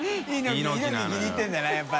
猪木気に入ってるんだねやっぱ。